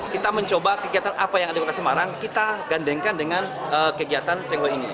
kita mencoba kegiatan apa yang ada di kota semarang kita gandengkan dengan kegiatan cengho ini